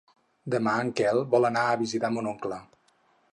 Demà en Quel vol anar a visitar mon oncle.